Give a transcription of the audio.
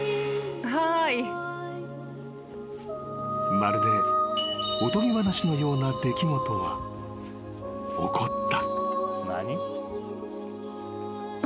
［まるでおとぎ話のような出来事が起こった］